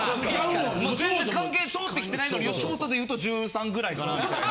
もう全然関係通ってきてないのに吉本で言うと１３ぐらいかなみたいな。